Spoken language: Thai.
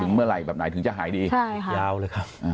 ถึงเมื่อไหร่แบบไหนถึงจะหายดีใช่ค่ะยาวเลยครับอ่า